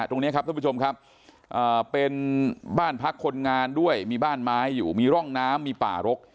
ตรงนี้ครับท่านผู้ชมครับเป็นบ้านพักคนงานด้วยมีบ้านไม้อยู่มีร่องน้ำมีป่ารก